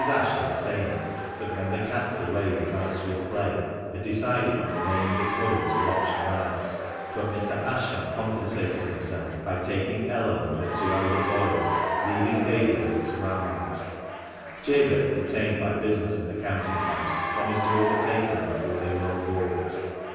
Ashton, saying, "that when the cat's away the mice will play," had decided on remaining at home to watch the mice, but Mr. Ashton compensated himself by taking Ellen and her two elder boys, leaving baby with its grandma ; Jabez, detained by business in the counting house, promising to overtake them before they were on board.